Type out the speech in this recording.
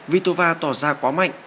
vitova tỏ ra quá mạnh